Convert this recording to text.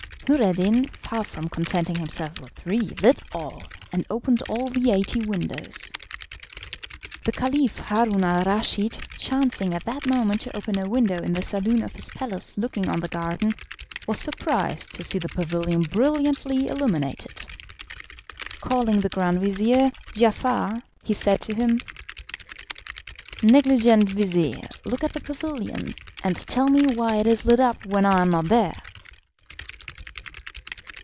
Noureddin, far from contenting himself with three, lit all, and opened all the eighty windows. The Caliph Haroun al Raschid, chancing at that moment to open a window in the saloon of his palace looking on the garden, was surprised to see the pavilion brilliantly illuminated. Calling the grand vizir, Giafar, he said to him: "Negligent vizir, look at the pavilion, and tell me why it is lit up when I am not there."